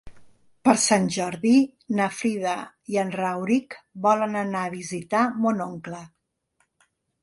Per Sant Jordi na Frida i en Rauric volen anar a visitar mon oncle.